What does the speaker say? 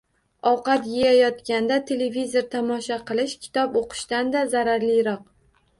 Ovqat yeyayotganda televizor tomosha qilish, kitob o‘qishdan-da zararliroq.